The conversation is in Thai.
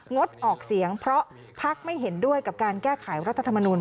งดออกเสียงเพราะพักไม่เห็นด้วยกับการแก้ไขรัฐธรรมนุน